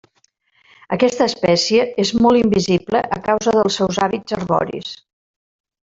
Aquesta espècie és molt invisible a causa dels seus hàbits arboris.